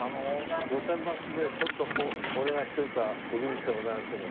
『路線バス』でちょっとお願いしておいた徳光でございますけど。